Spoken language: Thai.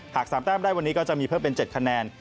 หาก๓แต้มได้วันนี้ก็จะมีเพิ่มเป็น๗คะแนน